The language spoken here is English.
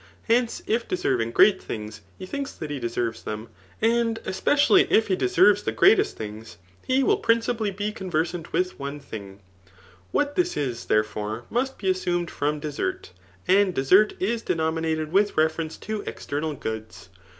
Heno^ if desefvfaig great tlungs he tfajoks that he deserves them, and espedalty if he deserves the greatest things, he will principally be ccmversant with one thing; What this is, therefore, mvesi be assumed from desert, and desert is denominated With reference to eatternai goods.